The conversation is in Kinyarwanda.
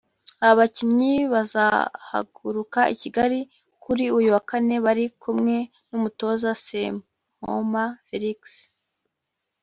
Aba bakinnyi bazahaguruka i Kigali kuri uyu wa Kane bari kumwe n’Umutoza Sempoma Felix